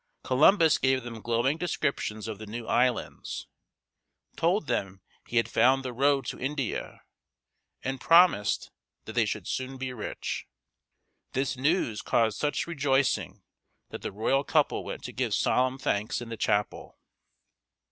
Columbus gave them glowing descriptions of the new islands, told them he had found the road to India, and promised that they should soon be rich. This news caused such rejoicing that the royal couple went to give solemn thanks in the chapel.